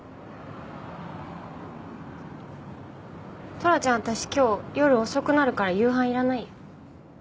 トラちゃん私今日夜遅くなるから夕飯いらない。